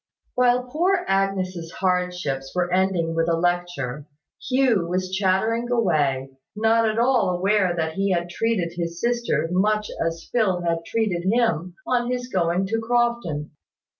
While poor Agnes' hardships were ending with a lecture, Hugh was chattering away, not at all aware that he had treated his sister much as Phil had treated him on his going to Crofton.